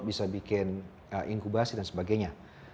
bisa bikin inkubasi dan sebagainya